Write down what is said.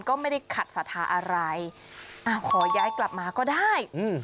ก็ไม่ได้ขัดศรัทธาอะไรอ่าขอย้ายกลับมาก็ได้อืม